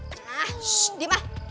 shh diam lah